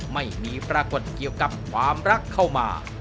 ไม่มีปรากฏเกี่ยวกับความรักเข้ามา